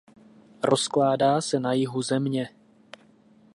Rozkládá se na jihu země.